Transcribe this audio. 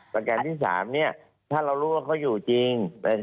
ประการที่๓ถ้าเรารู้ว่าเขาอยู่จริง